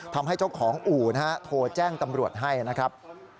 ทำให้เจ้าของอู่นะฮะโทรแจ้งตำรวจให้นะครับ